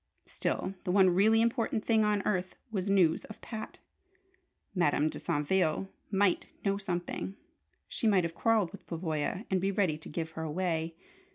Still, the one really important thing on earth was news of Pat. Madame de Saintville might know something! She might have quarrelled with Pavoya, and be ready to "give her away."